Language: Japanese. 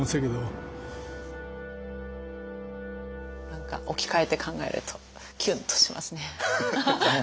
何か置き換えて考えるとキュンとしますね。